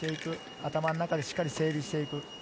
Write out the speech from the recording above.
頭の中でしっかり整理していく。